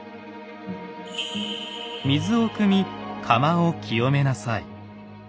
「水をくみ釜を清めなさい」。